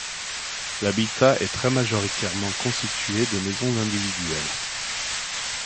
L'habitat est très majoritairement constitué de maisons individuelles.